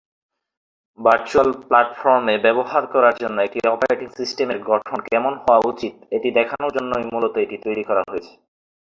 Virtual প্লাটফর্মে ব্যবহার করার জন্য একটি অপারেটিং সিস্টেমের গঠন কেমন হওয়ার উচিত এটি দেখানোর জন্যই মূলত এটি তৈরী করা হয়েছে।